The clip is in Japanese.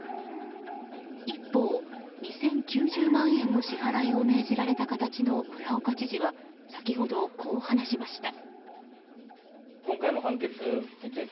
一方、２０９０万円の支払いを命じられた形の村岡知事は先ほどこう話しました。